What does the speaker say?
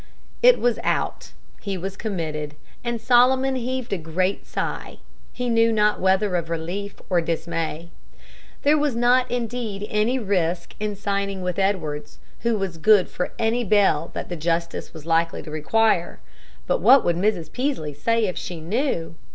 It was out; he was committed, and Solomon heaved a great sigh, he knew not whether of relief or dismay. There was not indeed any risk in signing with Edwards, who was "good" for any bail that the justice was likely to require; but what would Mrs. Peaslee say if she knew!